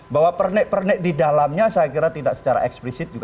bahwa pernik pernik di dalamnya saya kira tidak secara eksplisit juga